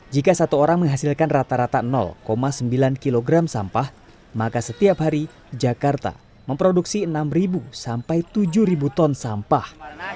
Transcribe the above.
jika satu orang menghasilkan rata rata sembilan kg sampah maka setiap hari jakarta memproduksi enam sampai tujuh ton sampah